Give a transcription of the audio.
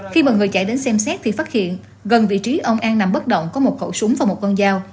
khi mà người chạy đến xem xét thì phát hiện gần vị trí ông an nằm bất động có một khẩu súng và một con dao